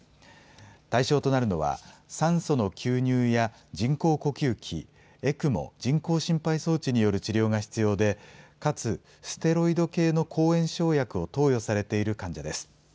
対象となるのは酸素の吸入や人工呼吸器、ＥＣＭＯ・人工心肺装置による治療が必要でかつステロイド系の抗炎症薬を投与されている患者です。